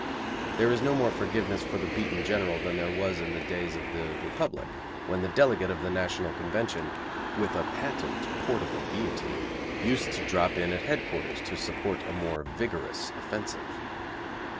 There is no more forgiveness for the beaten General than there was in the days of the Republic when the delegate of the National Convention, with a patent portable guillotine, used to drop in at headquarters to support a more vigorous offensive.